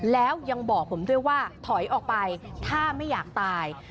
แล้วยังบอกผมด้วยว่าถอยออกไปถ้าไม่อยากตาย